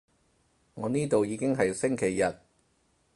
我呢度已經係星期日